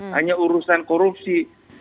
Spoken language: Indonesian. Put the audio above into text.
hanya urusan korupsi